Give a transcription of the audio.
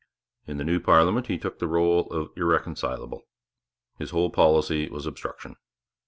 In the new parliament he took the rôle of irreconcilable; his whole policy was obstruction.